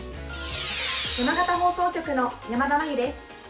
山形放送局の山田真夕です。